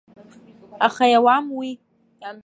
Аха иауам уи.